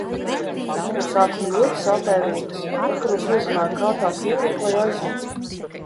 No sākuma ļoti sāpēja rokas, vakaros nezināju, kā tās nolikt, lai aizmigtu.